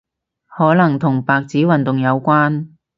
可能同白紙運動有關